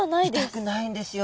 痛くないんですよ。